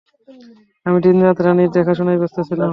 আমি দিনরাত রানীর দেখাশোনায় ব্যস্ত ছিলাম।